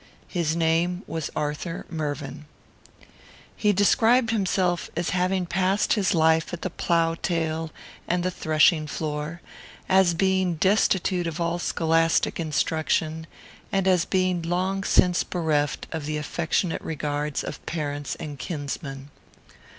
His name was Arthur Mervyn. He described himself as having passed his life at the plough tail and the threshing floor; as being destitute of all scholastic instruction; and as being long since bereft of the affectionate regards of parents and kinsmen.